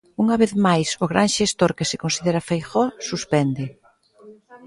Unha vez máis o gran xestor que se considera Feijóo, suspende.